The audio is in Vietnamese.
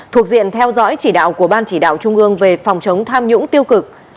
thuộc diện theo dõi chỉ đạo của ban chỉ đạo trung ương về phòng chống tham nhũng tiêu cực